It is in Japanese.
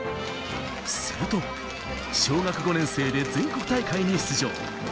すると小学５年生で全国大会に出場。